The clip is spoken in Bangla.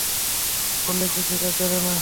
বললে, কৃষিকাজ জানো না।